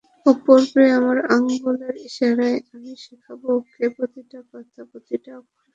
ও পড়বে আমার আঙ্গুলের ইশারায়, আমি শেখাব ওকে প্রতিটা কথা, প্রতিটা অক্ষর।